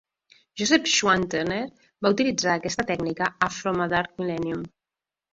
Joseph Schwantner va utilitzar aquesta tècnica a "From A Dark Millennium".